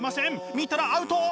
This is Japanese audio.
見たらアウト！